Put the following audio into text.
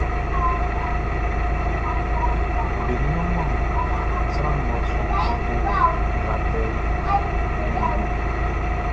Be nianman sran ngʼɔ su bobo nʼgatɛ nuanʼn nun.